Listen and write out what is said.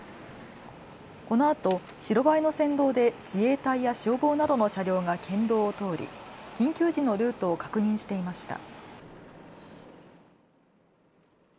このあと白バイの先導で自衛隊や消防などの車両が県道を通り緊急時のルートを確認していました。